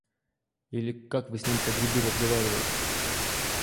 Или как Вы с ним про грибы разговаривали.